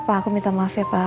pak aku ngakad unfair pak